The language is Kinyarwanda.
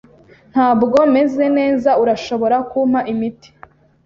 Ntabwo meze neza. Urashobora kumpa imiti?